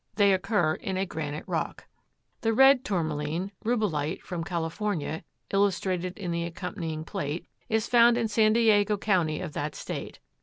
They occur in a granite rock. The red Tourmaline (Rubellite) from California, illustrated in the accompanying plate, is found in San Diego County of that State.